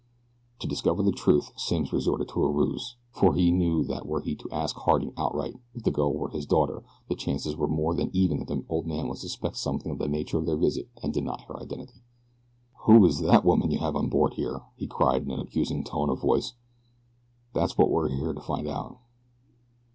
To discover the truth Simms resorted to a ruse, for he knew that were he to ask Harding outright if the girl were his daughter the chances were more than even that the old man would suspect something of the nature of their visit and deny her identity. "Who is that woman you have on board here?" he cried in an accusing tone of voice. "That's what we're a here to find out."